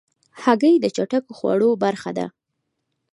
هګۍ د چټکو خوړو برخه ده.